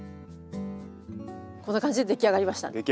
こんな感じで出来上がりました。